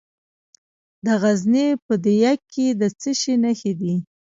د غزني په ده یک کې د څه شي نښې دي؟